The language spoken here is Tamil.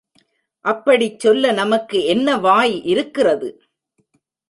அப்படிச்சொல்ல நமக்கு என்ன வாய் இருக்கிறது?